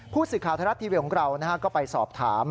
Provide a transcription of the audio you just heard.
ผู้สื่อข่าวไทยรัฐทีวีของเราก็ไปสอบถาม